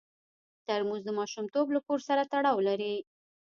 ترموز د ماشومتوب له کور سره تړاو لري.